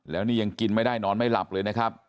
แล้วนี่ยังกินไม่ได้นอนไม่หลับเลยนะครับ